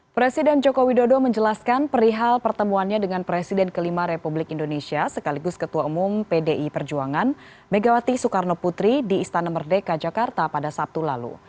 presiden joko widodo menjelaskan perihal pertemuannya dengan presiden kelima republik indonesia sekaligus ketua umum pdi perjuangan megawati soekarno putri di istana merdeka jakarta pada sabtu lalu